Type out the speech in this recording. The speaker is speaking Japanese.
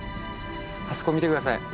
あそこ見て下さい。